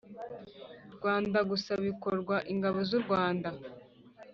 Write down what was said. Rwanda gusa bikorerwa Ingabo z urwanda